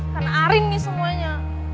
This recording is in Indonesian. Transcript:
kan arin nih semuanya